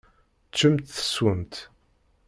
Ččemt teswemt.